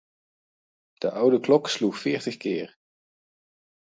De oude klok sloeg veertig keer.